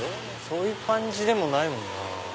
そういう感じでもないもんな。